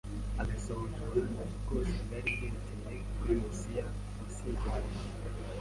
agasohoza ubuhanuzi bwose bwari bwerekeye kuri Mesiya wasezeranywe